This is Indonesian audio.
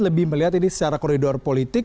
lebih melihat ini secara koridor politik